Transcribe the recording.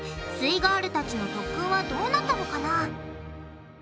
イガールたちの特訓はどうなったのかな？